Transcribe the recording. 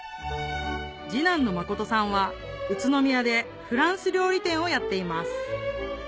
次男の真琴さんは宇都宮でフランス料理店をやっています